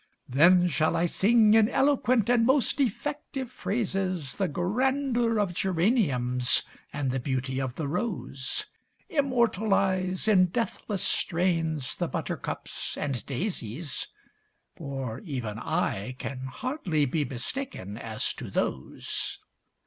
Then shall I sing in eloquent and most effective phrases, The grandeur of geraniums and the beauty of the rose; Immortalise in deathless strains the buttercups and daisies, For even I can hardly be mistaken as to those.